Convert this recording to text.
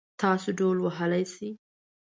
تاسو ډهول وهلی شئ؟